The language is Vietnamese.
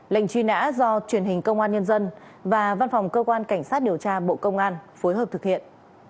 lệnh truy nã do truyền hình công an nhân dân và văn phòng cơ quan cảnh sát điều tra bộ công an phối hợp thực hiện